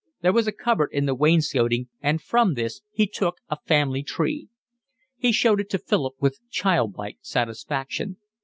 There was a cupboard in the wainscoting and from this he took a family tree. He showed it to Philip with child like satisfaction.